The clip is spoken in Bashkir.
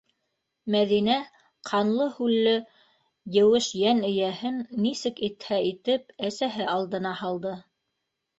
- Мәҙинә ҡанлы-һүлле еүеш йән эйәһен нисек итһә итеп әсәһе алдына һалды.